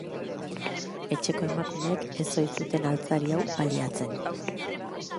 Etxeko emakumeek ez ohi zuten altzari hau baliatzen.